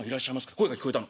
声が聞こえたの。